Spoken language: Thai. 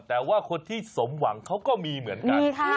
แต่ว่าคนที่สมหวังเขาก็มีเหมือนกัน